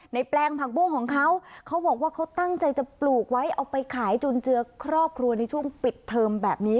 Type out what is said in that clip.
แปลงผักบุ้งของเขาเขาบอกว่าเขาตั้งใจจะปลูกไว้เอาไปขายจุนเจือครอบครัวในช่วงปิดเทอมแบบนี้